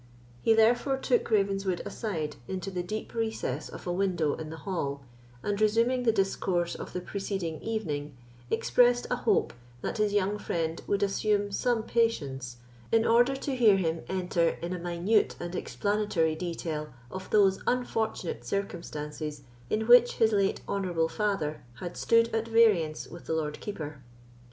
He therefore took Ravenswood aside into the deep recess of a window in the hall, and resuming the discourse of the proceeding evening, expressed a hope that his young friend would assume some patience, in order to hear him enter in a minute and explanatory detail of those unfortunate circumstances in which his late honourable father had stood at variance with the Lord Keeper.